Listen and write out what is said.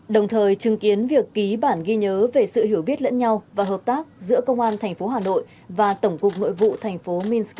đồng thời chứng kiến việc ký bản ghi nhớ về sự hiểu biết lẫn nhau và hợp tác giữa công an thành phố hà nội và tổng cục nội vụ thành phố minsk